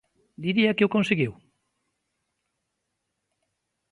Diría que o conseguiu?